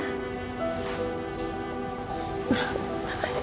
kalo boleh tau cerita apa aja sih ma